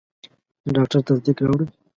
د ډاکټر تصدیق راوړئ.